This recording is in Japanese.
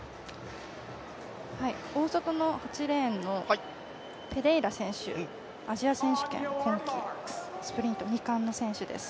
大外の８レーンのペレイラ選手アジア選手権、今季スプリント２冠の選手です。